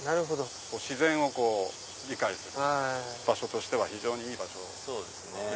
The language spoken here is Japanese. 自然を理解する場所としては非常にいい場所ですね。